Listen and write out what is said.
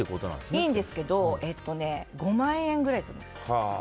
いいんですけど５万円近くするんです。